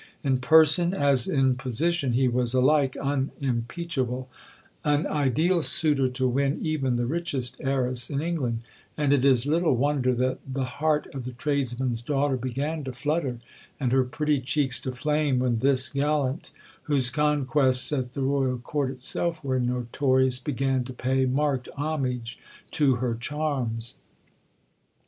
In person, as in position, he was alike unimpeachable an ideal suitor to win even the richest heiress in England; and it is little wonder that the heart of the tradesman's daughter began to flutter, and her pretty cheeks to flame when this gallant, whose conquests at the Royal Court itself were notorious, began to pay marked homage to her charms.